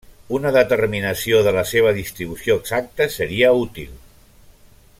Una determinació de la seva distribució exacta seria útil.